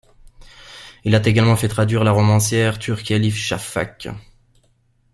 Il a également fait traduire la romancière turque Elif Shafak.